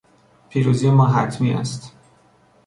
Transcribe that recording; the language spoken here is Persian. پیروزی ما حتمی است.